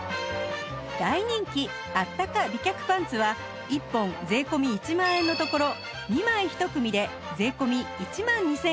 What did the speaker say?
大人気あったか美脚パンツは１本税込１万円のところ２枚１組で税込１万２８００円に